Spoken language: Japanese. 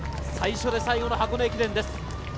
最初で最後の箱根駅伝です。